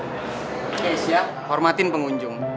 keisha hormatin pengunjung